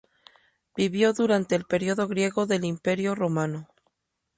Vivió durante el periodo griego del Imperio Romano.